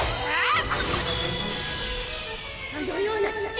ああ。